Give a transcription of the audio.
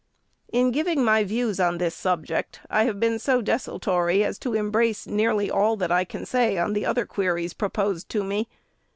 In giving my views on this subject, I have been so desultory as to embrace nearly all that I can say on the other queries proposed to me.